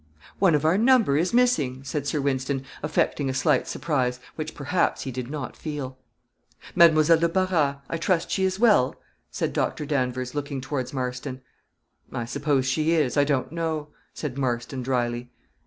"One of our number is missing," said Sir Wynston, affecting a slight surprise, which, perhaps, he did not feel. "Mademoiselle de Barras I trust she is well?" said Doctor Danvers, looking towards Marston. "I suppose she is; I don't know," said Marston, drily.